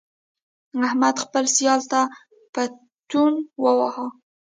احمد خپل سیال ته پتون وواهه.